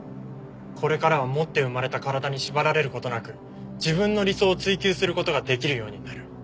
これからは持って生まれた体に縛られる事なく自分の理想を追求する事ができるようになる。